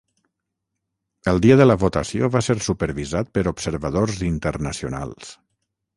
El dia de la votació va ser supervisat per observadors internacionals.